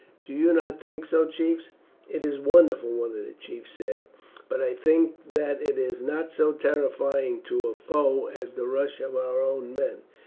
Do you not think so, chiefs?" "It is wonderful," one of the chiefs said; "but I think that it is not so terrifying to a foe as the rush of our own men.